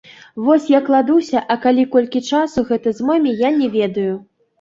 Вось я кладуся, а калі, колькі часу гэта зойме, я не ведаю.